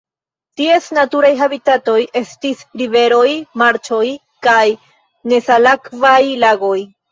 Ties naturaj habitatoj estas riveroj, marĉoj kaj nesalakvaj lagoj.